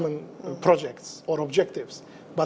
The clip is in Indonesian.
untuk proyek atau objektif yang sama